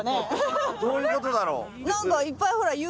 どういうことだろう。